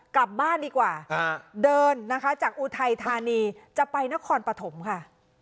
กลับบ้านดีกว่าเดินนะคะจากอุทัยธานีจะไปนครปฐมค่ะ